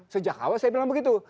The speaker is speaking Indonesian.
sejak awal saya bilang begitu